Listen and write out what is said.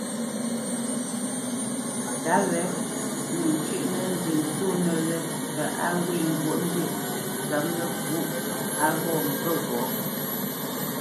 Tǎ wě nə ncʉ́ʼnə́ nzə ntsónə̄ wé tə á ghwê ŋgwǒʼmbî tsɔ̌pnə́pǔʼ á ghɔ́ mvə̂ ghɔ̌.